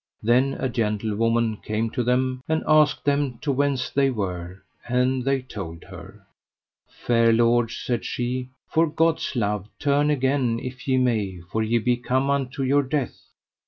Then a gentlewoman came to them, and asked them of whence they were; and they told her. Fair lords, said she, for God's love turn again if ye may, for ye be come unto your death.